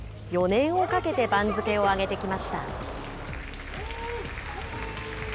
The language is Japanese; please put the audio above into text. ４年をかけて番付を上げてきました。